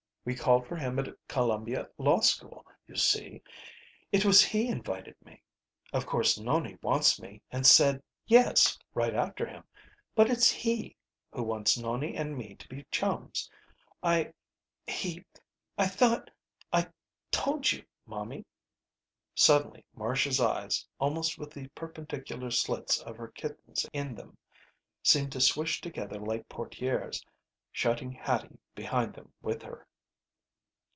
We called for him at Columbia Law School, you see. It was he invited me. Of course Nonie wants me and said 'Yes' right after him but it's he who wants Nonie and me to be chums. I He I thought I told you momie." Suddenly Marcia's eyes, almost with the perpendicular slits of her kitten's in them, seemed to swish together like portières, shutting Hattie behind them with her.